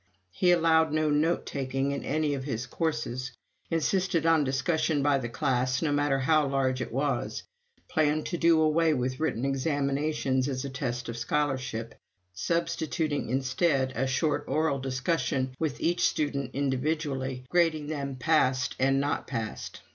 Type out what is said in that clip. He allowed no note taking in any of his courses, insisted on discussion by the class, no matter how large it was, planned to do away with written examinations as a test of scholarship, substituting instead a short oral discussion with each student individually, grading them "passed" and "not passed."